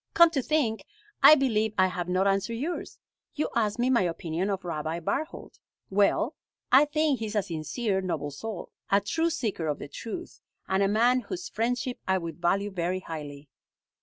Come to think, I believe I have not answered yours. You asked me my opinion of Rabbi Barthold. Well, I think he is a sincere, noble soul, a true seeker of the truth, and a man whose friendship I would value very highly."